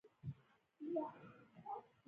څه فکر کوئ نن به ابراهیم ځدراڼ پنځوسیزه ووهي؟